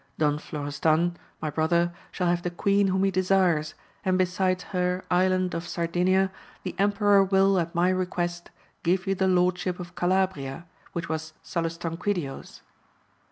Don Florestan, my brother, shall have the queen whom he desires, and besides her Island of Sardinia, the emperor will, at my request, give you the lordship of Calabria, which was Salustanquidio*s.